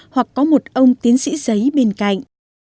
hoặc có một ông tiến sĩ giấy bên cạnh